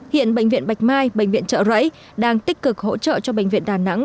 hiện bệnh viện bạch mai bệnh viện trợ rẫy đang tích cực hỗ trợ cho bệnh viện đà nẵng